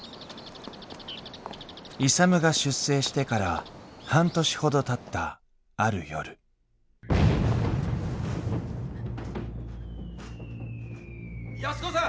勇が出征してから半年ほどたったある夜・・・安子さん！